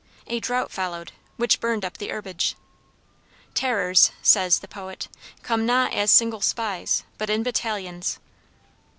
A drought followed, which burned up the herbage. "Terrors," says, the poet, "come not as single spies, but in battalions."